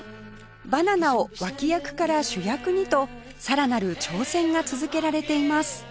「バナナを脇役から主役に」とさらなる挑戦が続けられています